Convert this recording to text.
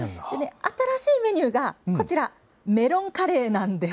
新しいメニューがこちら、メロンカレーなんです。